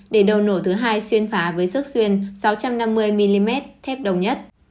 để đầu nổ thứ hai xuyên phá với sức xuyên sáu trăm năm mươi mm thép đồng nhất